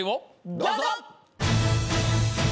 どうぞ！